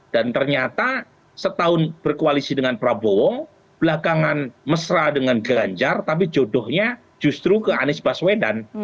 dan ternyata setahun berkoalisi dengan prabowo belakangan mesra dengan ganjar tapi jodohnya justru ke anies baswedan